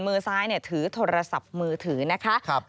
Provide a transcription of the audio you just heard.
มือซ้ายถือโทรศัพท์มือถือนะคะ